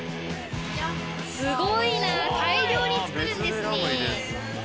スゴいな大量に作るんですね。